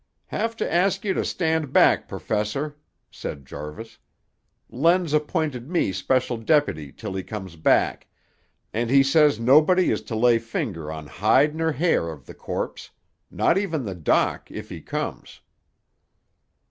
"Have to ask you to stand back, Perfessor," said Jarvis. "Len's appointed me special dep'ty till he comes back, and he says nobody is to lay finger on hide ner hair of the corpse; not even the doc, if he comes."